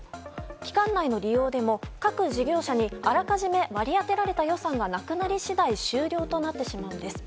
期間内の利用でも各事業者にあらかじめ割り当てられた予算がなくなり次第終了となってしまうんです。